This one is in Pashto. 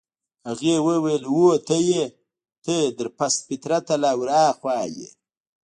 هغې وویل: هو ته يې، ته تر پست فطرته لا ورهاخوا يې.